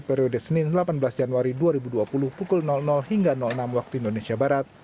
periode senin delapan belas januari dua ribu dua puluh pukul hingga enam waktu indonesia barat